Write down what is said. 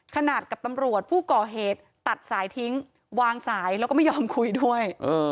ขนาดกับตำรวจผู้ก่อเหตุตัดสายทิ้งวางสายแล้วก็ไม่ยอมคุยด้วย